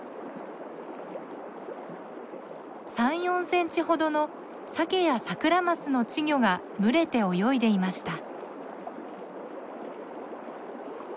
３４センチほどのサケやサクラマスの稚魚が群れて泳いでいました。